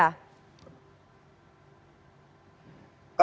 kalau kita perhatikan